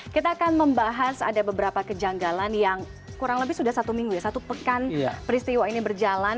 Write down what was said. kita akan membahas ada beberapa kejanggalan yang kurang lebih sudah satu minggu ya satu pekan peristiwa ini berjalan